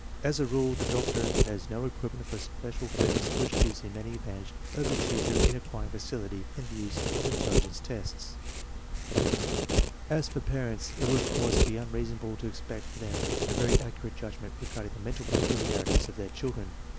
As a rule, the doctor has no equipment, or special fitness which gives him any advantage over the tmeher in acquiring facility in the use of intelligence tests, i AH for pa rent 8, it would of course be unreasonable to expect from them a very accurate judgment regarding the mental peculiarities of their children.